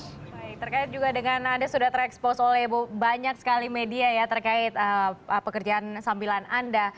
baik terkait juga dengan anda sudah terekspos oleh banyak sekali media ya terkait pekerjaan sambilan anda